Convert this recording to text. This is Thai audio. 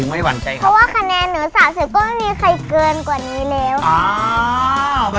ว่าใจไหมครับ